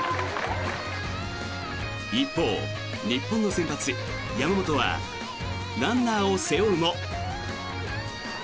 一方日本の先発、山本はランナーを背負うも。